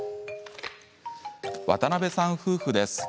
渡邉さん夫婦です。